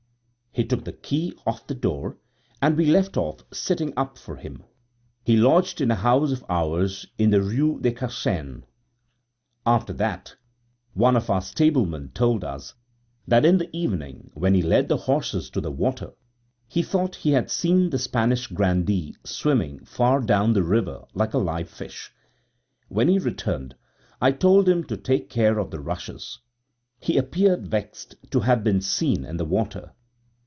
He took the key of the door, and we left off sitting up for him. He lodged in a house of ours in the Rue des Casernes. After that, one of our stable men told us that in the evening when he led the horses to the water, he thought he had seen the Spanish grandee swimming far down the river like a live fish. When he returned, I told him to take care of the rushes; he appeared vexed to have been seen in the water.